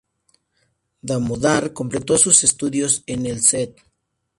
Damodar completó sus estudios en el St.